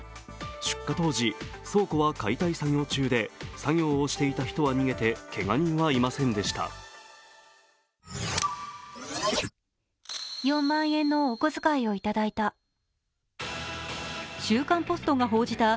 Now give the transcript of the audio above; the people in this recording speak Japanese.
出火当時、倉庫は解体作業中で作業をしていした人は逃げてけが人はいませんでした。